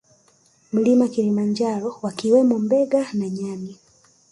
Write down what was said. Mlima Kilimanjaro wakiwemo mbega na nyani